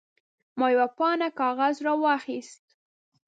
ما یوه پاڼه کاغذ راواخیست.